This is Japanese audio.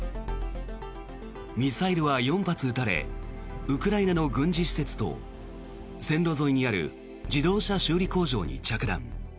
ミサイルは４発撃たれウクライナの軍事施設と線路沿いにある自動車修理工場に着弾。